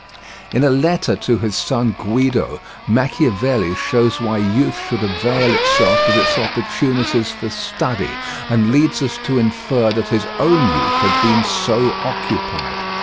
In a letter to his son Guido, Machiavelli shows why youth should avail itself of its opportunities for study, and leads us to infer that his own youth had been so occupied.